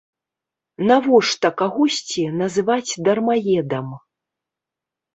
Навошта кагосьці называць дармаедам?